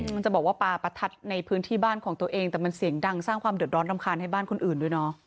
มันจะบอกว่าปลาประทัดในพื้นที่บ้านของตัวเองแต่มันเสียงดังสร้างความเดือดร้อนรำคาญให้บ้านคนอื่นด้วยเนาะ